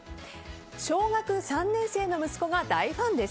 小学３年生の息子が大ファンです。